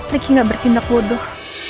ricky gak berkendak bodoh